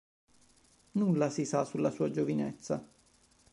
Nulla si sa sulla sua giovinezza.